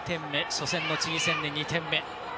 初戦のチリ戦で２点目。